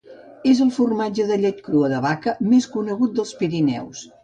És el formatge de llet crua de vaca més conegut dels Pirineus.